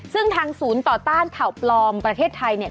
ซึ่งทางศูนย์ต่อต้านข่าวปลอมประเทศไทยเนี่ย